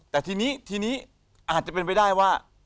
แต่ทีนี้ทีนี้อาจจะเป็นไปได้ว่า